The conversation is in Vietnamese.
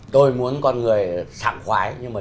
tôi muốn con người sảng khoái nhưng mà